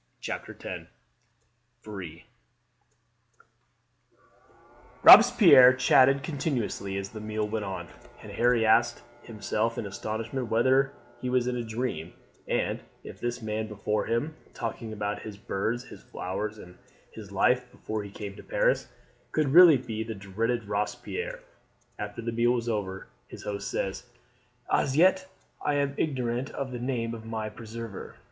CHAPTER X Free Robespierre chatted continuously as the meal went on, and Harry asked himself in astonishment whether he was in a dream, and if this man before him, talking about his birds, his flowers, and his life before he came to Paris, could really be the dreaded Robespierre. After the meal was over his host said: "As yet I am ignorant of the name of my preserver."